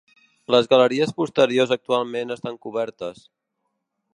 Les galeries posteriors actualment estan cobertes.